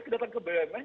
kedatang ke bumn